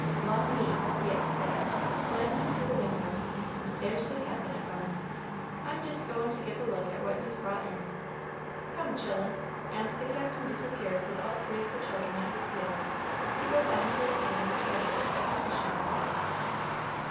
"Law me!" he exclaimed, glancing through the window, "there's the Cap'n a comin'. I'm jist goin' to give a look at what he's brought in. Come, chil'en," and the Captain disappeared with all three of the children at his heels, to go down to examine the treasures of the fishing smack.